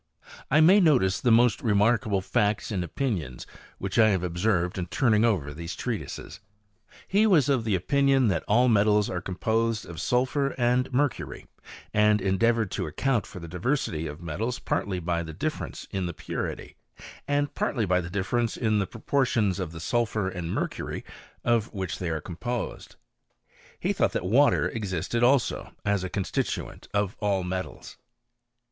I may notice the mfli remarkable facts and opiiiions which I have obserytfl in turning over these treatises. '9 He was of opinion that all metals are composed'| sulphur and mercury; and endeavoured to accoiit for the diversity of metals partly by the difference^ the purity, and partly by the difference in the propM tions of the sulphur and mercury of which they il composed. He thought that water existed also atf constituent of all metals.